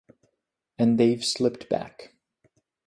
And they’ve slipped back.